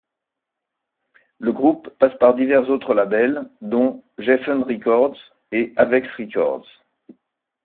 Le groupe passe par divers autres labels donc Geffen Records et Avex Records.